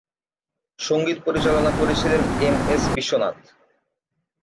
সঙ্গীত পরিচালনা করেছিলেন এম এস বিশ্বনাথ।